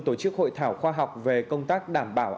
tổ chức hội thảo khoa học về công tác đảm bảo